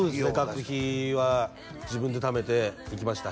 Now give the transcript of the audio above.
学費は自分でためて行きました